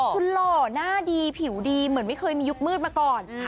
คุณหล่อหน้าดีผิวดีเหมือนไม่เคยมียุคมืดมาก่อน